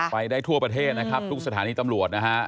ไปได้ทั่วประเทศนะครับทุกสถานีตำรวจนะฮะ